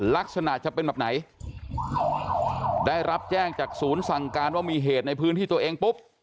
ลักษณะจะเป็นแบบไหนได้รับแจ้งจากศูนย์สั่งการว่ามีเหตุในพื้นที่ตัวเองปุ๊บ